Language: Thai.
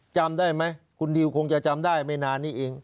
จำได้ไหมคุณดิวคงจะจำได้ไม่นานนี้เอง